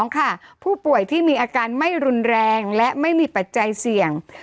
ค่ะผู้ป่วยที่มีอาการไม่รุนแรงและไม่มีปัจจัยเสี่ยง